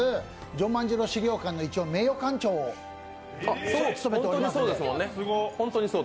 ジョン万次郎資料館の一応、名誉館長を務めておりますんで。